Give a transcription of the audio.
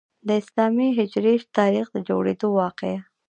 د اسلامي هجري تاریخ د جوړیدو واقعه.